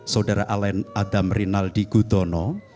saudara alen adam rinaldi gudono